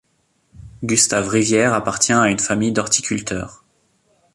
Gustave Rivière appartient à une famille d'horticulteur.